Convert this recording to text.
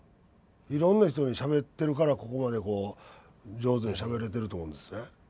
いろんな人にしゃべってるからここまでこう上手にしゃべれてると思うんですね。